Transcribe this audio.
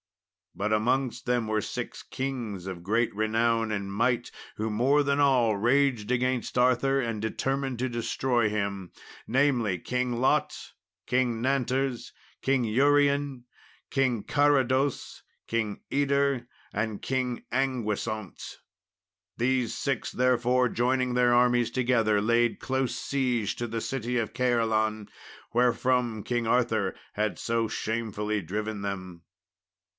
But amongst them were six kings of great renown and might, who more than all raged against Arthur and determined to destroy him, namely, King Lot, King Nanters, King Urien, King Carados, King Yder, and King Anguisant. These six, therefore, joining their armies together, laid close siege to the city of Caerleon, wherefrom King Arthur had so shamefully driven them.